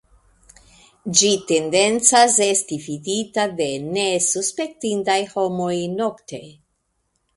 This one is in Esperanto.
Ĝi tendencas esti vidita de nesuspektindaj homoj nokte.